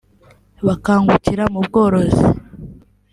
bakangukira ubworozi